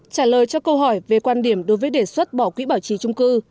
trả lời cho câu hỏi về quan điểm đối với đề xuất bỏ quỹ bảo trì trung cư